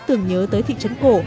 tưởng nhớ tới thị trấn cổ